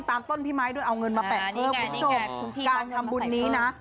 ต้นพี่ไม้ด้วยเอาเงินมาแปะเพิ่มคุณผู้ชมการทำบุญนี้นะ